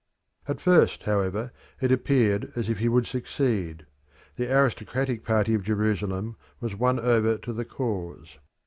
At first, however, it appeared as if he would succeed. The aristocratic party of Jerusalem were won over to the cause.